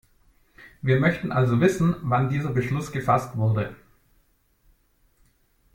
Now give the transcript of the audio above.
Wir möchten also wissen, wann dieser Beschluss gefasst wurde.